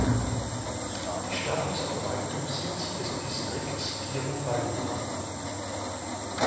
Die Stadt ist Verwaltungssitz des Distrikts Tiruvallur.